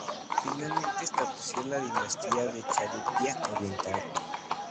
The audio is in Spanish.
Finalmente estableció la dinastía de Chalukya Oriental.